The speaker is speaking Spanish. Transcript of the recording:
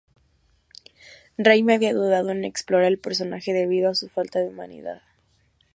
Raimi había dudado en explorar el personaje debido a su "falta de humanidad".